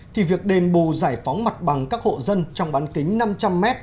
thì việc đền bù giải phóng mặt bằng các hộ dân trong bán kính năm trăm linh m